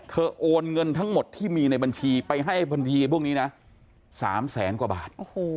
โอนเงินทั้งหมดที่มีในบัญชีไปให้บัญชีพวกนี้นะ๓แสนกว่าบาท